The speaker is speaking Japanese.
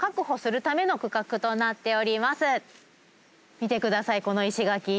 見て下さいこの石垣。